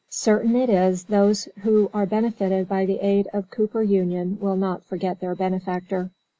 Certain it is those who are benefited by the aid of "Cooper Union" will not forget their benefactor.